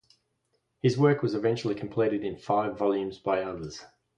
His work was eventually completed in five volumes by others.